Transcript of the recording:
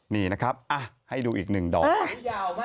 นี่นะครับให้ดูอีกหนึ่งดอก